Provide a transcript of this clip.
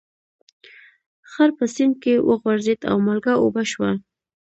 خر په سیند کې وغورځید او مالګه اوبه شوه.